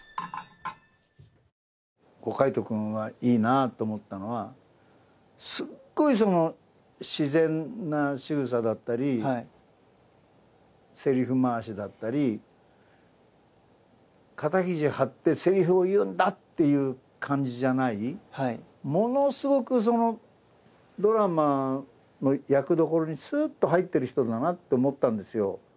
海人君はいいなと思ったのはすっごい自然なしぐさだったりせりふ回しだったり肩肘張ってせりふを言うんだっていう感じじゃないものすごくドラマの役どころにすっと入ってる人だと思ったんです。